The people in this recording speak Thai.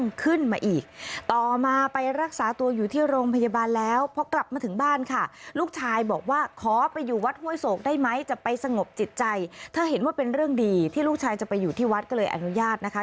เธอเห็นว่าเป็นเรื่องดีที่ลูกชายจะไปอยู่ที่วัดก็เลยอนุญาตนะคะ